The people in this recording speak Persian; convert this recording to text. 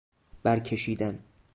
برکشیدن